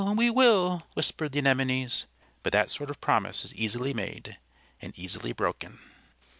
we will!" whispered the Anemones. But that sort of promise is easily made and easily broken.